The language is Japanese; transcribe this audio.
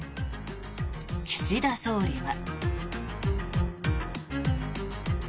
岸田総理は。